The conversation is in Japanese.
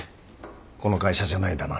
この会社じゃないんだな。